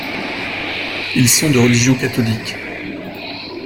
Ils sont de religion catholique.